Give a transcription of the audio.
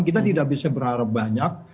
kita tidak bisa berharap banyak